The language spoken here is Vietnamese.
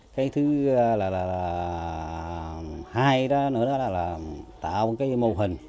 cái thứ hai nữa là tạo một cái mô hình